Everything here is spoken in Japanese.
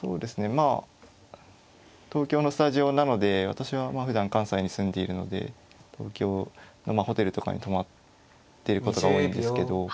まあ東京のスタジオなので私はまあふだん関西に住んでいるので東京ホテルとかに泊まってることが多いんですけど。